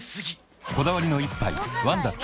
こだわりの一杯「ワンダ極」